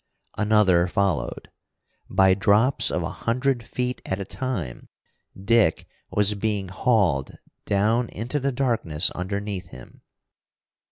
Another followed. By drops of a hundred feet at a time, Dick was being hauled down into the darkness underneath him.